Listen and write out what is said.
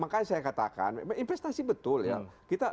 makanya saya katakan memang investasi betul ya